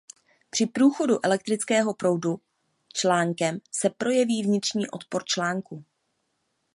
Při průchodu elektrického proudu článkem se projeví vnitřní odpor článku.